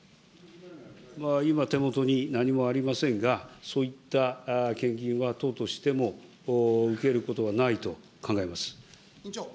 今、手元に何もありませんが、そういった献金は、党としても受けることはないと考えます。